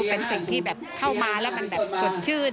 เป็นสิ่งที่แบบเข้ามาแล้วมันแบบสดชื่น